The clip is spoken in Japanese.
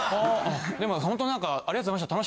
・「でもほんと何かありがとうございました。